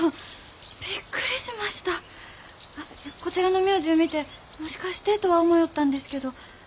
こちらの名字ゅう見てもしかしてとは思よったんですけど。